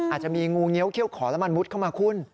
อาจจะมีงูเงี้ยเขี้ยขอแล้วมันมุดเข้ามาคุณ